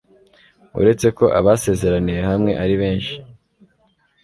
uretse ko abasezeraniye hamwe ari benshi